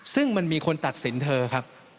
ซึ่งมันมีคนตัดสินเธอครับ